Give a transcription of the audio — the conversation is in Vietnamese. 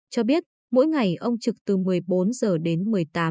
cho biết mỗi ngày ông trực từ một mươi bốn giờ đến một mươi tám h